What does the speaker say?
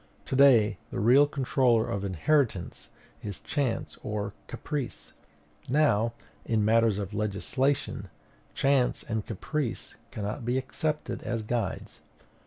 To day the real controller of inheritance is chance or caprice; now, in matters of legislation, chance and caprice cannot be accepted as guides.